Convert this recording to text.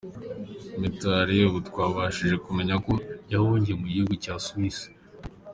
Mitali ubu twabashije kumenya ko yahungiye mu gihugu cya Suisse.